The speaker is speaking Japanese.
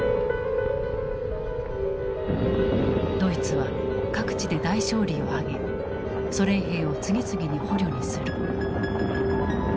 ドイツは各地で大勝利を挙げソ連兵を次々に捕虜にする。